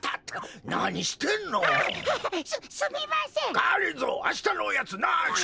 がりぞーあしたのおやつなし！